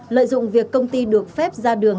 lợi dụng việc công ty được phép ra đường